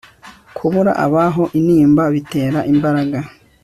kubura ababo intimba bitera imbaraga